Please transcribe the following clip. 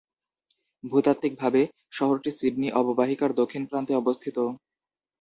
ভূতাত্ত্বিকভাবে, শহরটি সিডনি অববাহিকার দক্ষিণ প্রান্তে অবস্থিত।